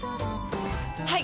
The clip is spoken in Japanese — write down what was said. はい！